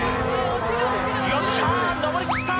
「よっしゃ登りきった！」